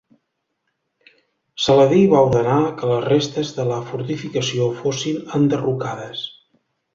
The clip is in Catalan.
Saladí va ordenar que les restes de la fortificació fossin enderrocades.